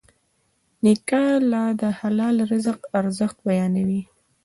نیکه د حلال رزق ارزښت بیانوي.